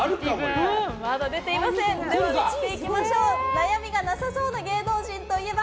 悩みがなさそうな芸能人といえば？